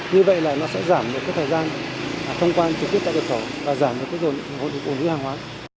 như vậy là nó sẽ giảm được cái thời gian thông quan trực tiếp tại cửa khẩu và giảm được cái độ ủ nứ hàng hóa